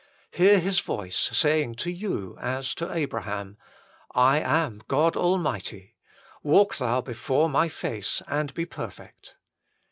Hear His voice saying to you as to Abraham :" I am God Almighty : walk thou before My face and be perfect."